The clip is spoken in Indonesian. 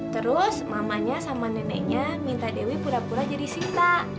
terus mamanya sama neneknya minta dewi pura pura jadi sinta